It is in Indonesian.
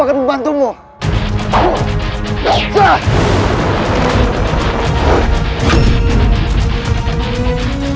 aku tidak apa apa